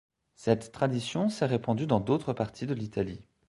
Cette tradition s'est répandue dans d'autres parties de l'Italie.